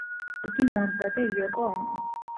იგი მოამზადა იოკო ონომ.